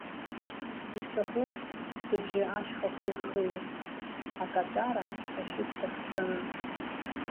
Исҭахуп сыбжьы ашьхақәа ирхыҩырц, акаҵәара ашьыц дахцаны.